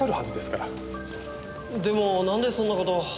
でもなんでそんな事。